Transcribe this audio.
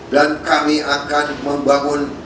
dan kami akan membangun